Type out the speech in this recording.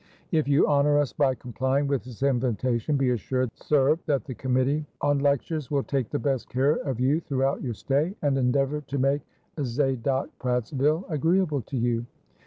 "If you honor us by complying with this invitation, be assured, sir, that the Committee on Lectures will take the best care of you throughout your stay, and endeavor to make Zadockprattsville agreeable to you.